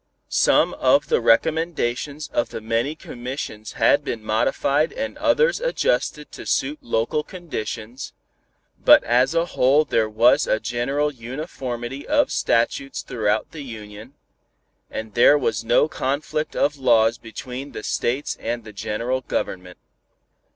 Some of the recommendations of the many commissions had been modified and others adjusted to suit local conditions, but as a whole there was a general uniformity of statutes throughout the Union, and there was no conflict of laws between the states and the general government.